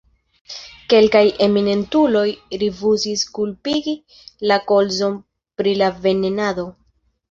Kelkaj eminentuloj rifuzis kulpigi la kolzon pri la venenado.